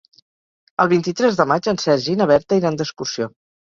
El vint-i-tres de maig en Sergi i na Berta iran d'excursió.